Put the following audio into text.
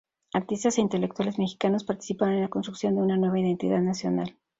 Artistas e intelectuales mexicanos participaron en la construcción de una nueva identidad nacional.